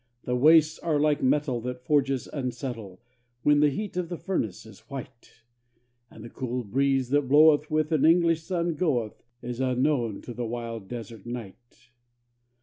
The wastes are like metal that forges unsettle When the heat of the furnace is white; And the cool breeze that bloweth when an English sun goeth, Is unknown to the wild desert night.